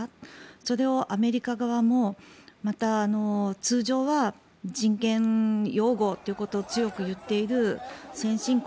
それをアメリカ側もまた通常は人権擁護ということを強く言っている先進国